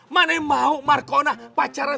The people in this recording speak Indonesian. mana yang mau markona pacaran